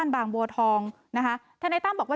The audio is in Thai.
โบทองธนายต้ามบอกว่า